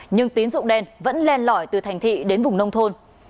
nhưng tín dụng đen vẫn len lỏi từ thành thị đến vùng nông thôn